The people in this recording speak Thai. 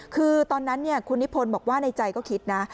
คือตอนนั้นคุณนิพนธ์บอกว่าในใจก็คิดนะ